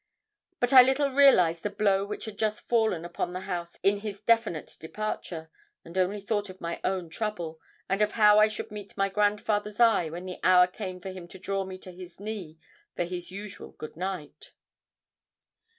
But I little realized the blow which had just fallen upon the house in his definite departure, and only thought of my own trouble, and of how I should meet my grandfather's eye when the hour came for him to draw me to his knee for his usual good night.